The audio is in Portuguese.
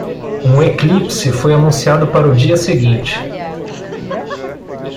Um eclipse foi anunciado para o dia seguinte.